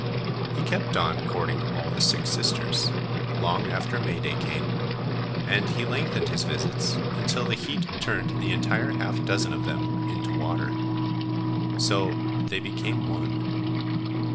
He kept on, courting all the six sisters, long after May day came, and he lengthened his visits until the heat turned the entire half dozen of them into water. So they became one.